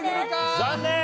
残念！